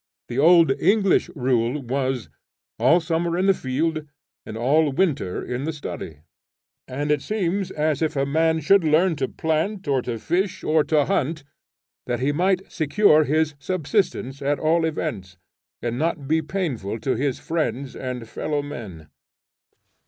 The old English rule was, 'All summer in the field, and all winter in the study.' And it seems as if a man should learn to plant, or to fish, or to hunt, that he might secure his subsistence at all events, and not be painful to his friends and fellow men.